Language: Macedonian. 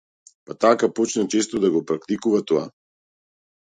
Па така почна често да го практикува тоа.